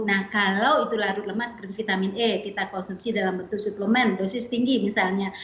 nah kalau itu larut lemas seperti vitamin e kita konsumsi dalam bentuk suplemen dosis tinggi misalnya